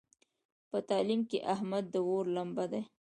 په تعلیم کې احمد د اور لمبه دی.